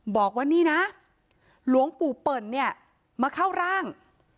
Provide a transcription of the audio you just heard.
บอกว่านี่นะหลวงปู่เปิ่นเนี่ยมาเข้าร่าง